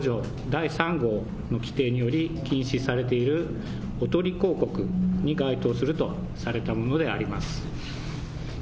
第３号の規定により、禁止されている、おとり広告に該当するとされたものであります。